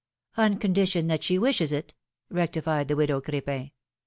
"" On condition that she wishes it," rectified the widow Cr^pin.